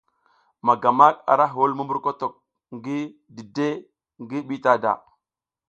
Magamak ara hul mumburkotok ngi dide ngi bitada.